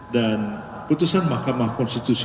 dan putusan mahkamah konstitusi